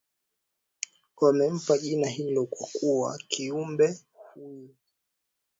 wamempa jina hilo kwa kuwa kiumbe huyo